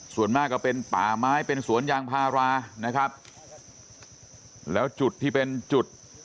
ส่วนมากก็เป็นป่าไม้เป็นสวนยางพารานะครับแล้วจุดที่เป็นจุด